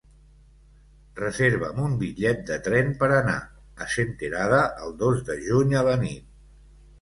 Reserva'm un bitllet de tren per anar a Senterada el dos de juny a la nit.